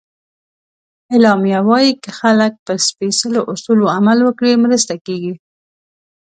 اعلامیه وایي که خلک پر سپیڅلو اصولو عمل وکړي، مرسته کېږي.